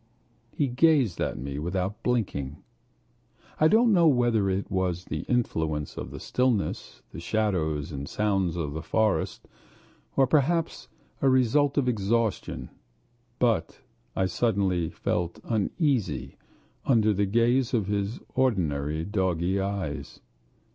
He gazed at me without blinking. I don't know whether it was the influence of the stillness, the shadows and sounds of the forest, or perhaps a result of exhaustion, but I suddenly felt uneasy under the steady gaze of his ordinary doggy eyes.